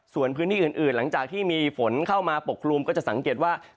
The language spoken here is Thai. ส่วนพื้นที่อื่นหลังจากที่มีฝนเข้ามาปกคลุมก็จะสังเกตว่า